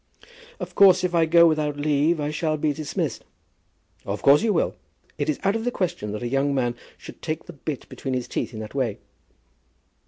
"Of course if I go without leave I shall be dismissed." "Of course you will. It is out of the question that a young man should take the bit between his teeth in that way."